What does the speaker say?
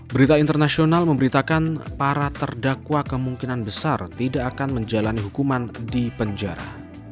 berita internasional memberitakan para terdakwa kemungkinan besar tidak akan menjalani hukuman di penjara